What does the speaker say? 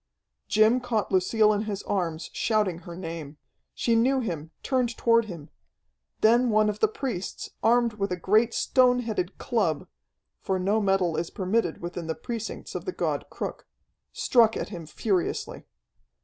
Jim caught Lucille in his arms, shouting her name. She knew him, turned toward him. Then one of the priests, armed with a great stone headed club for no metal is permitted within the precincts of the god Cruk struck at him furiously.